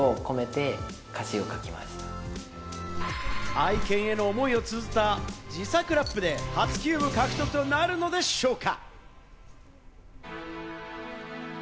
愛犬への思いをつづった自作ラップで初キューブ獲得となるのでしょうか。